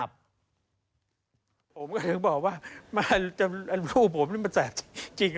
ผมก็ถึงบอกว่าแม่ลูกผมนี่มันแสกจริง